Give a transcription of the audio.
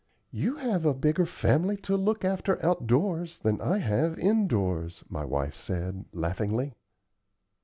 "You have a bigger family to look after outdoors than I have indoors," my wife said, laughingly.